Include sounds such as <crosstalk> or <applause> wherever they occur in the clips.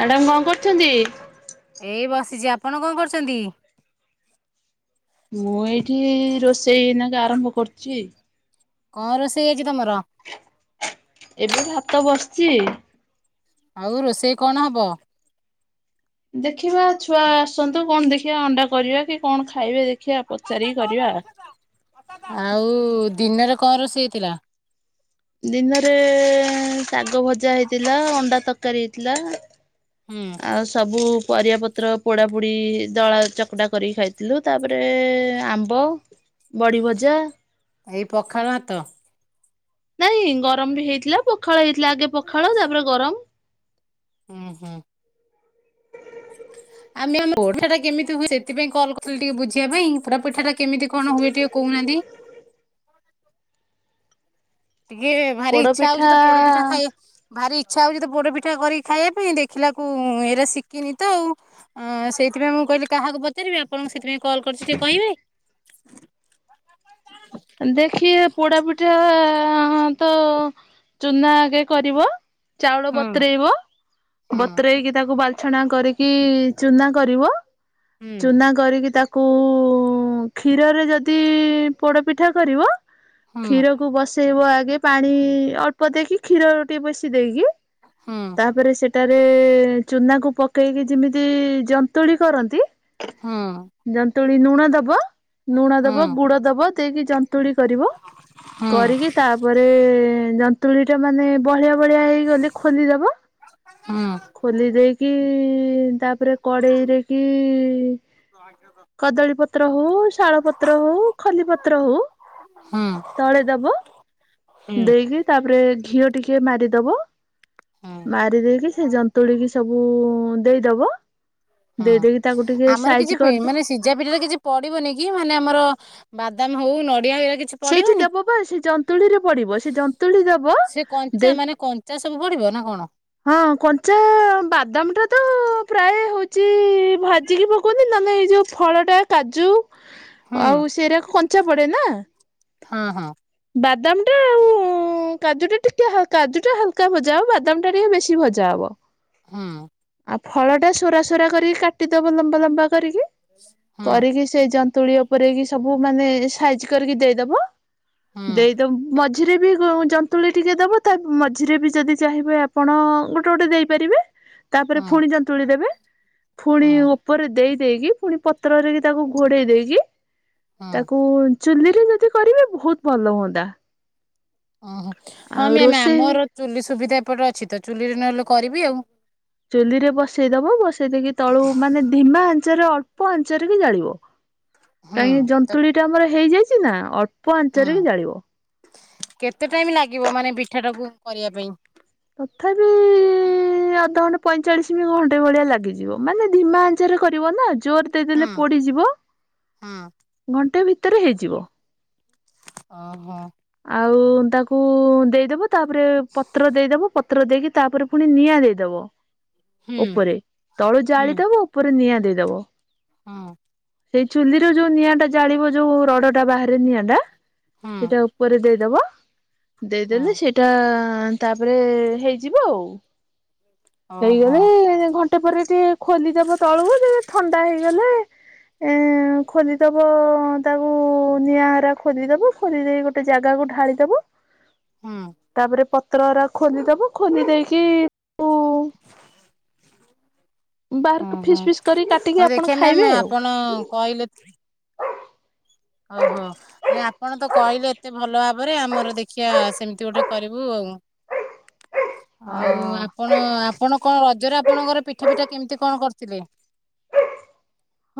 Madam କଣ କରୁଛନ୍ତି? ଏଇ ବସିଛି, ଆପଣ କଣ କରୁଚନ୍ତି? ମୁଁ ଏଇଠି ରୋଷେଇ ଏଇନାକେ ଆରମ୍ଭ କରୁଚି। କଣ ରୋଷେଇ ଆଜି ତମର? ଏବେ ଭାତ ବଶ୍ଚି। ଆଉ ରୋଷେଇ କଣ ହବ? ଦେଖିବା ଛୁଆ ଆସନ୍ତୁ କଣ ଦେଖିବା ଅଣ୍ଡା କରିବା କି କଣ ଖାଇବେ ଦେଖିବା ପଚାରିକି କରିବା। ଆଉ ଦିନେରେ କଣ ରୋଷେଇ ହେଇଥିଲା? ଦିନେରେ ଶାଗ ଭଜା ହେଇଥିଲା ଅଣ୍ଡା ତକାରୀ ହେଇଥିଲା। ହୁଁ ଆଉ ସବୁ ପରିବା ପ ପତ୍ର ପୋଡା ପୋଡି ଦଳା ଚକଟା କରିକି ଖାଇଥିଲୁ ତାପରେ ଆମ୍ବ ବଢିଭଜା ଏଇ ପଖାଳ ଭାତ? ନାଇଁ ଗରମ୍ ବି ହେଇଥିଲା, ପଖାଳ ହେଇଥିଲା ଆଗେ। ପଖାଳ ତାପରେ ଗରମ ଉହୁଁ। ଆମେ <unintelligible> ପିଠାଟା କେମିତି ହୁଏ ସେଥିପାଇଁ କଲ୍ କରିଥିଲି ଟିକେ ବୁଝିବା ପାଇଁ, ପୋଡପିଠା ଟା କେମିତି କଣ ହୁଏ ଟିକେ କହୁନାହାନ୍ତି? ଟିକେ ଭାରି ପୋଡ ଇଚ୍ଛା ହଉଚି ତ ପୋଡପିଠା ପିଠା ଖାଇଆ ଭାରି ଇଚ୍ଛା ହଉଚି ତ ପୋଡ଼ପିଠା କରିକି ଖାଇଆ ପାଇଁ, ଦେଖିଲାକୁ ଏଇରା ଶିକିନି ତ ଆଉ। ଅଁ ସେଇଥିପାଇଁ ମୁଁ କହିଲି କାହାକୁ ପଚାରିବି ଆପଣଙ୍କୁ ସେଥିପାଇଁ କଲ୍ କରିଛି ଟିକେ କହିବେ ଦେଖିଆ ପୋଡା ପିଠା ତ ଚୁନା ଆଗେ କରିବ ଚାଉଳ ହୁଁ ବତୁରେଇବ ହୁଁ ବତୁରେଇକି ତାକୁ ବାଲିଛଣା କରିକି କି ଚୁନା କରିବ ହୁଁ ଚୁନା କରିକି ତାକୁ କ୍ଷୀରରେ ଯଦି ପୋଡ଼ପିଠା କରିବ ହୁଁ କ୍ଷୀରକୁ ବସେଇବ ଆଗେ ପାଣି ଅଳ୍ପ ଦେଇକି କ୍ଷୀର ଟିକେ ବେଶି ଦେଇକି ହୁଁ ତାପରେ ସେଟାରେ ଚୁନାକୁ ପକେଇକି ଯେମିତି ଯନ୍ତଣି କରନ୍ତି ହୁଁ ଜନ୍ତୁଳି ନୁଣ ଦବ ନୁଣ ହୁଁ। ଦବ ଗୁଡ ଦବ ଦେଇକି ଯନ୍ତୁଳି କରିବ ହୁଁ କରିକି ତାପରେ ଜନ୍ତୁଳି ମାନେ ବହଳିଆ ବହଳିଆ ହେଇଗଲେ ଖୋଲିଦେବ ହୁଁ। ଖୋଲି ଦେଇକି ତାପରେ କଡେଇରେକି କଦଳୀ ପତ୍ର ହଉ ଶାଳ ପତ୍ର ହଉ ଖଲି ପ ତ୍ର ହୋଉ ହୁଁ। ତଳେ ଦବ ହୁଁ ଦେଇକି ତାପରେ ଘିଅ ଟିକେ ମାରିଦବ ମାରି ଦେଇକି ସେ ଜନ୍ତୁଳିକି ସବୁ ଦେଇଦବ ହୁଁ ଦେଇ ଦେଇକି ତାକୁ ଟିକେ ଆମର କିଛି ସାଇଜ ପେ କରିଦ ମାନେ ସିଝା ପିିଠାର କିଛି ପଡିବନି କି ମାନେ ଆମର ବାଦାମ ହଉ ନଡିଆ ହେରାକି ସେଇଠି ଦବବା ସେ ଜନ୍ତୁଳି ରେ ପଡିବ ସେ ଜନ୍ତୁଳି ଦେବ ସେ କଞ୍ଚା ଦେ ମାନେ କଞ୍ଚା ସବୁ ପଡିବ ନା କଣ ହଁ କଞ୍ଚା ବାଦାମ ଟା ତ ପ୍ରାୟ ହଉଛି ଭାଜିକି ପକଉଛନ୍ତି ନହେଲେ ଏଇ ଯୋଉ ଫଳଟା କାଜୁ <inaudible> ଆଉ ସେରା କଞ୍ଚା ପଡେ ନା ହଁ ହଁ ବାଦାମ ଟା ଆଉ କାଜୁ ଟା ଟିକେ ହାଲକା କାଜୁ ଟା ହାଲକା ଭଜା ହେବ ବାଦାମ ଟା ଟିକେ ବେଶୀ ଭଜା ଜା ହେବ ହୁଁ ଫଳ ଟା ସୋରା ସୋରା କରିକି କାଟିଦବ ଲମ୍ବା ଲମ୍ବା କରିକି ହୁଁ କରିକି ସେଇ ଜନ୍ତୁଳି ଉପରେ କି ସବୁ ମାନେ ସାଇଜ କରିକି ଦେଇଦବ ହୁଁ ଦେଇଦବ ମ ମଝିରେ ବି ଜନ୍ତୁଳି ଟିକେ ଦେବ ତା ମଝିରେ ବି ଯଦି ଚାହିଁବେ ଆପଣ ଗୋଟେ ଗୋଟେ ଦେଇପାରିବେ ତାପରେ ହୁଁ ଫୁଣି ଯନ୍ତୁଳି ଦେବେ ଫୁଣି ହୁଁ ଉପରେ ଦେଇ ଦେଇକି ପୁଣି ପତ୍ରରେଯେ ତାକୁ ଘୋଡ଼େଇ ଦେଇକି ହୁଁ ତାକୁ ଚୁଲିରେ ଯଦି କରିବେ ବହୁତ ଭଲ ହୁଅନ୍ତା ଓହୋ ହଁ ଆଉ ମ୍ୟାମ୍ ରୋଷେଇ ଆମର ଚୁଲି ସୁବିଧା ଏପଟେ ଅଛି ତ ଚୁଲିରେ ନହେଲେ କରିବି ଆଉ ଚୁଲିରେ ବସେଇ ଦବ ବସେଇ ଦେଇକି ତଳୁ ମାନେ ଧିମା ଆଞ୍ଚରେ ଅଳ୍ପ ଆଞ୍ଚରେ କି ଜାଳିବ <inaudible> କାହିଁକି ତ ଯନ୍ତୁଳି ଟା ଆମର ହେଇଯାଇଛି ନା ଅଳ୍ପ ଆଞ୍ଚରେ ହୁଁ ହିଁ ଜାଳିବ କେତେ ଟାଇମ ଲାଗିବ ମାନେ ପିଠା ଟାକୁ କରିବା ପାଇଁ ତଥାପି ଅଧଘଣ୍ଟା ପଇଁଚାଳିଶ ବି ଘଣ୍ଟେ ଭଳିଆ ଲାଗିଯିବ ମାନେ ଧିମା ଚାର କରିବ ନା ଜୋର ହୁଁ ଦେଇଦେଲେ ପୋଡ଼ିଯିବ ହୁଁ ଘଣ୍ଟେ ଭିତରେ ହେଇଯିବ ଓହୋ ଆଉ ତାକୁ ଦେଇଦବ ତାପରେ ପତ୍ର ଦେଇଦବ ପ ତ୍ର ଦେଇକି ତାପରେ ପୁଣି ନିଆଁ ଦେଇଦବ ହୁଁ ଉପରେ ତଳୁ ଜାଳିଦବ ଉପରେ ନିଆଁ ଦେଇଦବ ହଁ ସେଇ ଚୁଲିର ଯୋଉ ନିଆଁଟା ଜାଳିବ ଯୋଉ ରଡଟା ବାହାରେ ନିଆଁ ଟା ହୁଁ ସେଇଟା ଉ ପରେ ଦେଇଦବ ଦେଇଦେଲେ ହୁଁ ସେଟା ଆ -ତାପରେ ହେଇଯିବ ଆଉ ଓହୋ ହେଇଗଲେ ଘଟ ଗୋଟେ ପରେ ଟିକେ ଖୋଲିଦବ ତଳକୁ ସେ ଯେ ଥଣ୍ଡା ହେଇଗଲେ ଏ ଖୋୋଲିଦବ ତାକୁ ନିଆଁ ହରା ଖୋଲିଦବ ଖୋଲି ଦେଇ ଗୋଟେ ଗୋଟେ ଜାଗାକୁ ଢାଳିଦବ ହୁଁ ତାପରେ ପତ୍ରରା ଖୋଲିଦବ ଖୋଲି ଦେଇକି ହୁଁ ବାହାର ହୁଁ ଫିସ୍ ଫିସ୍ କରି କାଟିକି ହଉ ଆପଣ ଦେଖିବା ଖାଇବେ ମ୍ୟାମ୍ ଆଉ। ଆପଣ କହିଲେ ଓହୋ ନାଇ ଆପଣ ତ କହିଲେ ଏତେ ଭଲ ଭବ ତାପରେ ଆମର ଦେଖିବା ସେମିତି ଗୋଟେ କରିବୁ ଆଉ ହଁ ଆଉପ ଆପଣ ଆପଣ କଣ ରଜରେ ଆପଣଙ୍କର ପିଠା ପିଠା କେମିତି କଣ କରିଥିଲେ?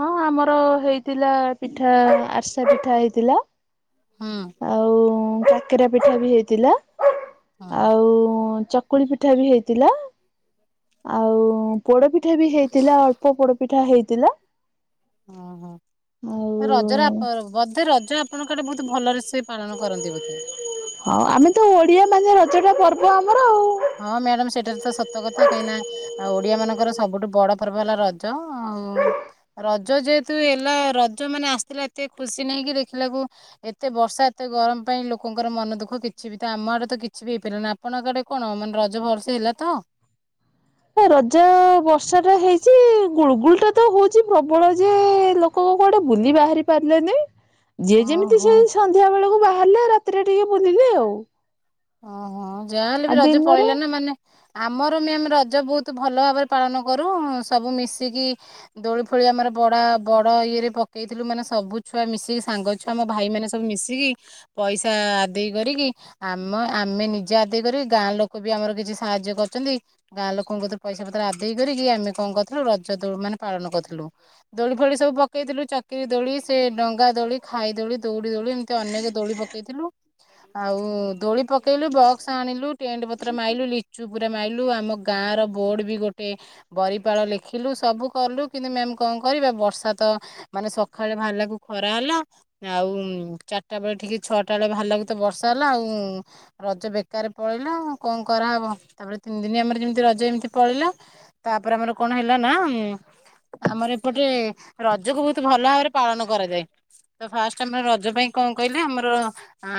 ହଁ ଆମର ହେଇଥିଲା ପିଠା ଆରିସା ପିଠା ହେଇଥିଲା। ହୁଁ ଆଉ କାକେରା ପିଠା ବି ହେଇଥିଲା ହୁଁ ଆଉ ଚ କକୁଳି ପିଠା ବି ହେଇଥିଲା। ଆଉ ପୋଡପିଠା ବି ହେଇଥିଲା ଅଳ୍ପ ପୋଡପିଠା ହେଇଥିଲା। ଓହୋ ଆଉ ରଜ ରାପ ବୋଧେ ରଜ ଆପଣଙ୍କାଟେ ବହୁତ ଭଲରେ ସେ ପାଳନ କରନ୍ତି ବୋଧେ। ହଁ ଆମେ ତ ଓଡିଆ ମାନେ ରଜଟା ପର୍ବ ଆମର ଆଉ ହଁ ମ୍ୟାଡାମ ସେଟାାରେ ତ ସତ କଥା କାହିଁକି ନା ଆଉ ଓଡିଆ ମାନଙ୍କର ସବୁଠୁ ବଡ ପର୍ବ ହେଲା ରଜ ଆଉ ରଜ ଯେହେତୁ ହେଲା ରଜ ମାନେ ଆସିଥିଲା ଏତେ ଖୁସି ନେଇକି ଦେଖିଲାକୁ। ଏତେ ବର୍ଷା ଏତେ ଗରମ ପାଇଁ ଲୋକଙ୍କର ମନ ଦୁଃଖ କିଛି ବି ତ ଆମ ଆଡେ ତ କିଛି ବି ହେଇପାରିଲ ନାି ଆପଣଙ୍କ ଆଡେ। କଣ ମାନେ ରଜ ଭଲସେ ହେଲା ତ? ରଜା ବର୍ଷା ଟା ହେଇଛି ଗୁଳଗୁଳ ଟା ତ ହଉଛି ପ୍ରବଳ ଯେ କୋଉଆଡ଼େ ବୁଲି ବାହାରି ପାରିଲେନି। ଯିଏ ଯେମିତି ସେ ଓହୋ। ସନ୍ଧ୍ୟା ବେଳକୁ ବାହାରିଲେ ରାତିରେ ଟିକେ ବୁଲିଲେ ଆଉ ଓହୋ ଯାହା ହେଲେ ଆଉ ବି ରଜ ଦିନରେ ପଳେଇିଲ ନା ମାନେ ଆମର ଆମେ ରଜ ବହୁତ ଭଲ ଭାବରେ ପାଳନ କରୁ ସବୁ ମିଶିକି ଦୋଳି ଫୋଳି ଆମର ବଡ ବଡ ଇଏ ରେ ପକେଇଥିଲୁ ମାନେ ସବୁ ଛୁଆ ମିଶିକି ସାଙ୍ଗ ଛୁଆ ମୋ ଭାଇ ମାନେ ସବୁ ମିଶିକି ପଇସା ଆଦେଇ କରିକି ଆମ ଆମେ ନିଜେ ଆଦେଇ କରି ଗାଁ ଲୋକ ବି ଆମର କିଛି ସାହାଯ୍ୟ କରୁଚନ୍ତି। ଗାଁ ଲୋକଙ୍କ କଡ଼ୁରୁ ପଇସା ପତ୍ର ଆଦେଇ କରିକି ଆମେ କଅଁ କରିଥିଲୁ ରଜ ଦୋ ମାନେ ପାଳନ କରିଥିଲୁ। ଦୋଳି ଫୋଳି ସବୁ ପକେଇଥିଲୁ ଚକିରି ଦୋଳି ସେ ଡଙ୍ଗା ଦୋଳି ଖାଇ ଦୋଳି ଦଉଡି ଦୋଳି ଏମିତି ଅନେକ ଦୋଳି ପ ପକେଇଥିଲୁ ଆଉ ଦୋଳି ପକେଇଲୁ ବକ୍ସ ଆଣିଲୁ ଟେଣ୍ଟ ପତ୍ର ମାଇଲୁ ଲିଚୁ ପୁରା ମାଇଲୁ ଆମ ଗାଁର ବୋର୍ଡ଼ ବି ଗୋଟେ ବରିପାଳ ଲେଖିଲୁ ସବୁ କଲୁ କିନ୍ତୁ ମ୍ୟାମ୍ କଁ କରିବା ବର୍ଷା ତ ମାନେ ସଖାଳେ ବାହାରିଲା କୁ ଖରା ହେଲା। ଆଉ ଚାରିଟା ବେଳେ ଠିକ୍ ଛଅଟା ବେଳେ ବାହାରିଲା ବେଳକୁ ତ ବର୍ଷା ହେଲା ଆଉ ରଜ ବେକାରେ ପଳେଇିଲା କଅଁ କରାହବ ତାପରେ ତିନି ଦିନି ଆମର ଯେମିତି ରଜ ଏମିତି ପଳେଇଲା ତାପରେ ଆମର କଣ ହେଲା ନା ଉଁ ଆମର ଏପଟେ ରଜକୁ ବହୁତ ଭଲ ଭାବରେ ପାଳନ କରାଯାଏ। ତ ଫାଷ୍ଟ ଆମର ରଜ ପାଇଁ କଅଁ କହିଲେ ଆମର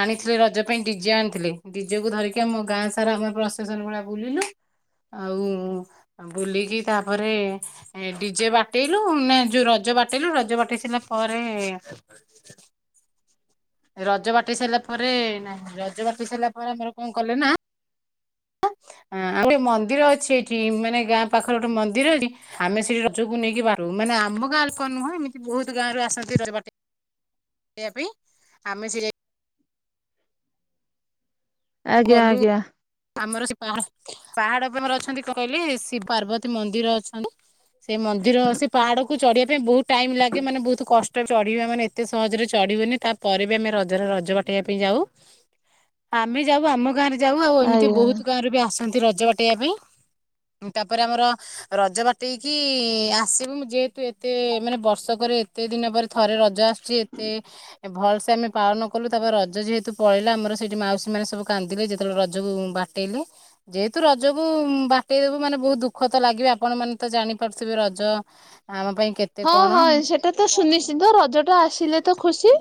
ଆଣିଥିଲେ ରଜ ପାଇଁ ଡିଜେ ଥିଲେ ଡିଜେକୁ ଧରିକି ଆମ ଗାଁ ସାରା ଆମେ ପ୍ରସେସନ ଭଳିଆ ବୁଲିଲୁ ଆଉ ବୁଲିକି ତାପରେ ଏ ଡିଜେ ବାଟେଇଲୁ ନା ଯୋଉ ରଜ ବାଟେଇଲୁ ରଜ ବାଟେଇ ସାରିଲା ପରେ ରଜ ବାଟେଇ ସାରିଲା ପରେ ନାଇଁ ରଜ ବାଟେଇ ସାରିଲା ପରେ ଆମର କଣ କଲେ ନା ଆଉ ଗୋଟେ ମନ୍ଦିର ଅଛି ଏଠି ମାନେ ଗାଁ ପାଖରେ ଗୋଟେ ମନ୍ଦିର ଅଛି ଆମେ ସେଇଠି ରଜକୁ ନେଇକି ବାରୁ ମାନେ ଆମ ଗାଁ ଲୋକ ନୁହଁ ଏମିତି ବହୁତ ଗାଁରୁ ଆସନ୍ତି ରଜବାଟି ଏଇଆ ପାଇଁ। ଆମେ ସେ ଆଜ୍ଞା ଗଲୁ ଆଜ୍ଞା। ଆମର ସେ ପାହା ପାହାଡ ଉପରେ ଆମର ଅଛନ୍ତି କଣ କହିଲେ ଶିବ ପାର୍ବତୀ ମନ୍ଦିର ଅଛନ୍ତି। ସେ ମନ୍ଦିର ସେ ପାହାଡକୁୁ ଚଢିବା ପାଇଁ ବହୁତ ଟାଇମ ଲାଗେ ମାନେ ବହୁତ କଷ୍ଟ ଚଢିବା ମାନେ ଏତେ ସହଜରେ ଚଢିହୁଏନି ତାପରେ ବି ଆମେ ରଜରେ ରଜ ବାଟେଇବା ପାଇଁ ଯାଉ ଆମେ ଯାଉ ଆମ ଗାଁରେ ଯାଉ ଆଉ ଏମିତି ଆଜ୍ଞା। ବହୁତ ଗାଁରୁ ବି ଆସନ୍ତି ରଜ ବାଟେଇବା ପାଇଁ। ତାପରେ ଆମର ରଜ ବାଟେଇକି ଆସିବୁ ମୁଁ ଯେହେତୁ ଏତେ ମାନେ ବର୍ଷକରେ ଏତେ ଦିନ ପରେ ଥରେ ରଜ ଆସୁଛି ଏତେ ଭଲ ସେ ଆମେ ପାଳନ କଲୁ ତାପରେ ରଜ ଯେହେତୁ ପଳେଇଲା ଆମର ସେଇଠି ମାଉସୀ ମାନେ ସବୁ କାନ୍ଦିଲେ ଯେତେବେଳେ ରଜକୁ ବାଟେଇଲେ। ଯେହେତୁ ରଜକୁ ବାଟେଇଦବୁ ମାନେ ବହୁତ ଦୁଃଖ ତ ଲାଗିବ ଆପଣ ମାନେ ତ ଜାଣିପାରୁଥିବେ ରଜ ଆମ ପାଇଁ କେତ ହଁ ହଁ ସେଟା ତ ସୁନିଶ୍ଚିନ୍ତ ରଜଟା ଆସିଲେ ତ ଖୁସି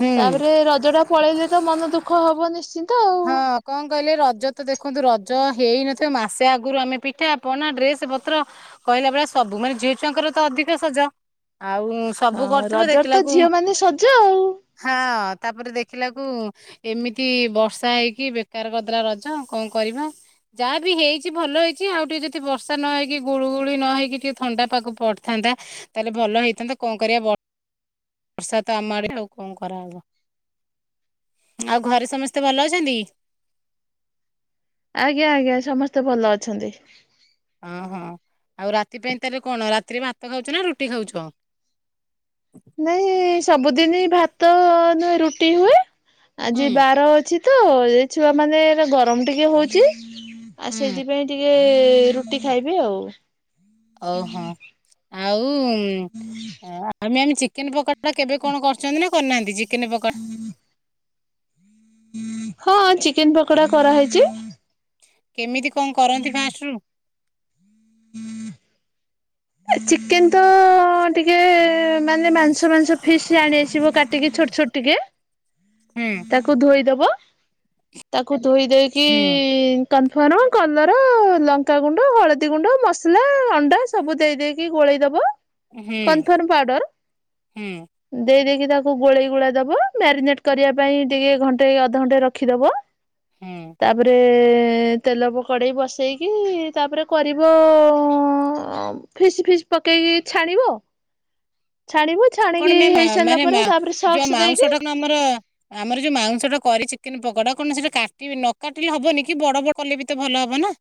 ହୁଁ ତାପରେ ରଜଟା ପଳେଇଲେ ତ ମନ ଦୁଃଖ ହବ ନିଶ୍ଚିନ୍ତ ଆଉ। ହଁ କଣ କହିଲେ ରଜ ତ ଦେଖନ୍ତୁ ରଜ ହେଇନଥିବ ମାସେ ଆଗରୁ ଆମେ ପିଠା ପନା ଡ୍ରେସ ପତ୍ର କହିଲା ବଳେ ସବୁ ମାନେ ଝିଅ ଛୁଆଙ୍କର ତ ଅଧିକ ସଜ ଆଉ ସବୁ ହଁ କରିଥିବ ରଜର ତ ଦେଖିଲାକୁ ଝିଅ ମାନେ ସଜ ଆଉ। ହଁ ତାପରେ ଦେଖିଲାକୁ ଏମିତି ବର୍ଷ ଷା ହେଇକି ବେକାର କରିଦଲା ରଜ କଣ କରିବା। ଯାହା ବିି ହେଇଚି ଭଲ ହେଇଛି ଆଉ ଟିକେ ଯଦି ବର୍ଷା ନ ହେଇକି ଗୁଳୁ ଗୁଳି ନ ହେଇକି ଟିକେ ଥଣ୍ଡା ପାଗ ପଡିଥାନ୍ତା ତାହେଲେ ଭଲ ହେଇଥାନ୍ତା କଣ କରିବା ବ ବର୍ଷା ତ ଆମ ଆଡେ <unintelligible> ଆଉ କଣ କରାହବ ଆଉ ଘରେ ସମସ୍ତେ ଭଲ ଅଛନ୍ତି? ଆଜ୍ଞା ଆଜ୍ଞା ସମସ୍ତେ ଭଲ ଅଛନ୍ତି। ଓହଁ ଆଉ ରାତି ପାଇଁ ତାହେଲେ କଣ ରାତିରେ ଭାତ ଖାଉଛ ନା ରୁଟି ଖାଉଛ? ନାଇଁ ସବୁଦିନ ଭାତ ନୁହେ ରୁଟି ହୁଏ ହୁଁ ଆଜି ବାର ଅଛି ତ ଛୁଆ ମାନେ ଗରମ ଟିକେ ହଉଛି ଆଉ ହୁଁ। ସେଥିପାଇଁ ଟିକେ ଏ ରୁଟି ଖାଇବେ ଆଉ। ଓହୋ ଆଉ ଆମେ ଆମ ଚିକେନ ପକ ଡ଼ା କେବେ କଣ କରଛନ୍ତି ନା କରିନାହାନ୍ତି ଯେ ଚିକେନ୍ ପକଡ଼ା? ହଁ ଚିକେନ ପକୋଡା କରାହେଇଚି। କେମିତି କଣ କରନ୍ତି ଫାଷ୍ଟ ରୁ? ହୁଁ ଚିକେନ ତ ଟିକେ ମାନେ ମାଂସ ମାଂସ ଫିସ୍ ଟିକେ ଆଣି ଆସିବ କାଟିକି ଛୋଟ ଛୋଟ ଟିକେ ହୁଁ। ତାକୁ ଧୋଇଦବ ତାକୁ ଧୋଇ ଦେଇକି ହୁଁ କନଫର୍ମ କଲର ଲଙ୍କାଗୁଣ୍ଡ ହଳଦୀ ଗୁଣ୍ଡ ମସଲା ଅଣ୍ଡା ସବୁ ଦେଇ ଦେଇକି ଗୋଳେଇଦବ ହୁଁ କନଫର୍ମ ପାଉଡର। ହୁଁ ଦେଇ ଦେଇକି ତାକୁ ଗୋଳେଇ ଗୋଳେଇ ଦବ ମ୍ୟାରିନେଟ କରିବା ପାଇଁ ଟିକେ ଘଣ୍ଟେ ଅଧଘଣ୍ଟେ ରଖିଦବ। ହୁଁ ତାପରେ ତେଲ ପକଡ଼େଇ ବସେଇକି ତାପରେ କରିବ ଉଁ ଫିସ୍ ଫିସ୍ ପକେଇକି ଛାଣିବ। ଛାଣିବୁ କଣ ଛାଣିକି ମ୍ୟାମ୍ ହେଇ ସାରିଲା ମାନେ ପରେ ମା ତାପରେ ଯୋଉ ସକ୍ସ ମାଉଁସ ଟା ଦେଇକି କଣ ଆମର ଆମର ଯୋଉ ମାଉଂସ ଟା କରିରେ ଚିକେନ ପକୋଡା କଣ ସେଟା କାଟିବି ନ କାଟିଲେ ହବନି କି ବଡ ବଡ କଲେ ବି ତ ଭଲ ହବ ନା।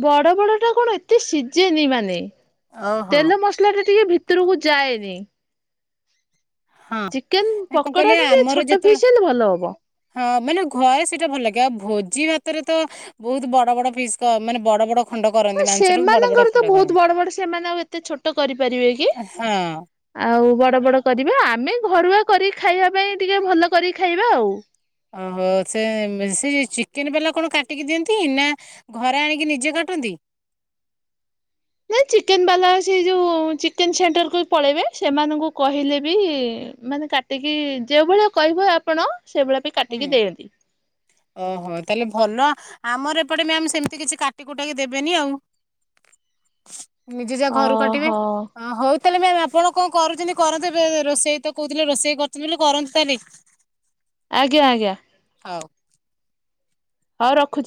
ବଡ ବଡ ଟା କଣ ଏତେ ସିଝେନି ମାନେ ଓହୋ ତେଲ ମସ ସଲା ଟିକେ ଭିତରକୁ ଯାଏନି। ହଁ ଚିକେନ କଣ ପକୋଡା କହିଲେ ଟା ଟିକେ ଆମର ଛୋଟ ଯେତେବେଳେ ଫିସ୍ ହେଲେ ଭଲ ହବ। ହଁ ମାନେ ଘଏରେ ସେଇଟା ଭଲ ଲାଗେ ଆଉ ଭୋଜି ଭାତରେ ତ ବହୁତ ବଡ ବଡ ପିସ୍ ମାନେ ବଡ ବଡ ଖଣ୍ଡ କରନ୍ତି ମାଂସଟାକୁ ବଡ ବଡ ସେମାନଙ୍କର ତ ଖଣ୍ଡ ବହୁତ କରନ୍ତି। ବଡ ବଡ ସେମାନେ ଆଉ ଏତେ ଛୋଟ କରିପାରିବେ କି? ହଁ ଆଉ ବଡ ବଡ କରିବା ଆମେ ଘରୁଆ କରିି ଖାଇବା ପାଇଁ ଟିକେ ଭଲ କରିକି ଖାଇବା ଆଉ। ଓହୋ ସେ ସେ ଚିକେନ ବାଲା କଣ କାଟିକି ଦିଅନ୍ତି ନା। ଘରେ ଆଣିକି ନିଜେ କାଟନ୍ତି। ନାଇ ଚିକେନ ବାଲା ସେ ଯୋଉ ଚିକେନ ସେଣ୍ଟରକୁ ପଳେଇବେ ସେମାନଙ୍କୁ କହିଲେ ବି ମାନେ କାଟିକି ଯୋଉ ଭଳିଆ କହିବ ଆପଣ ସେଭଳିଆ ବି କାଟିକି ହୁଁ। ଦିଅନ୍ତି। ଓହୋ ତାହେଲେ ଭଲ ଆମର ଏପଟେ ମ୍ୟାମ ସେମିତି କିଛି କାଟି କୁଟାକି ଦେବେନି ଆଉ। ନିଜେ ଯାହା ଘରୁ କାଟିବେ ଓହୋ ହଉ ତାହେଲେ ମ୍ୟାମ୍ ଆପଣ କଣ କରୁଛନ୍ତି କରନ୍ତୁ ଏବେ ରୋଷେଇ ତ କହୁଥିଲେ ରୋଷେଇ କରୁଛନ୍ତି ବୋଲି କରନ୍ତିୁ ତାହେଲେ। ଆଜ୍ଞା ଆଜ୍ଞା। ହଉ। ହଉ ରଖୁଛି।